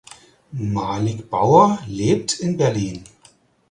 Malick Bauer lebt in Berlin.